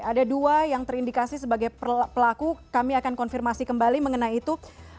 ada dua yang terindikasi sebagai pelaku kami akan konfirmasi kembali mengenai itu